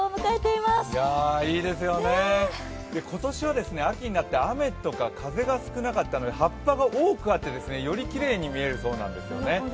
いいですよね、今年は秋になって雨とか風が少なかったので葉っぱが多くあってよりきれいに見えるそうなんですね。